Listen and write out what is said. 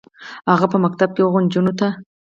هغه به په ښوونځي کې هغو نجونو ته